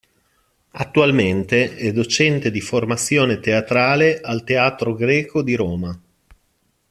Attualmente è docente di formazione teatrale al Teatro Greco di Roma.